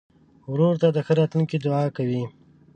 ورور ته د ښه راتلونکي دعا کوې.